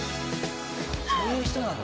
そういう人なの？